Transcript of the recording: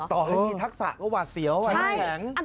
ต่อให้มีทักษะก็หวาดเสียวน้ำแข็ง